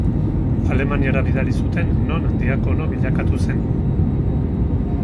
Alemaniara bidali zuten non diakono bilakatu zen.